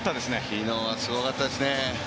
昨日はすごかったですね。